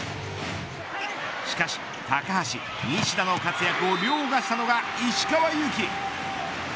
しかし高橋、西田の活躍をりょうがしたのが石川祐希。